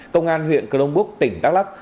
công an huyện cơ long búc tỉnh đắk lắc